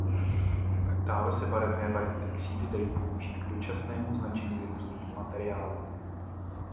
Dále se barevné varianty křídy dají použít k dočasnému značení různých materiálů.